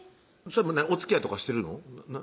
それはおつきあいとかしてるの？